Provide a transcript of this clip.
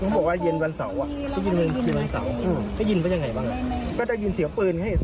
บทวันเสาร์ตอนนั้นเราคิดว่าเป็นไร